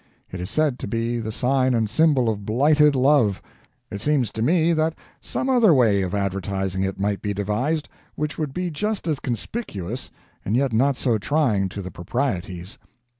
It is said to be the sign and symbol of blighted love. It seems to me that some other way of advertising it might be devised, which would be just as conspicuous and yet not so trying to the proprieties.